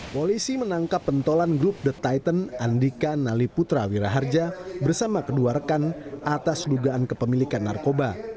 polisi menangkap pentolan grup the titan andika naliputra wiraharja bersama kedua rekan atas dugaan kepemilikan narkoba